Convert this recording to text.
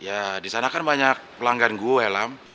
ya disana kan banyak pelanggan gue lam